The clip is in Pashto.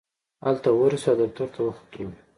هلته ورسېدو او دفتر ته ورختلو.